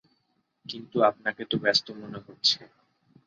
কিন্তু আপনাকে তো ব্যস্ত মনে হচ্ছে।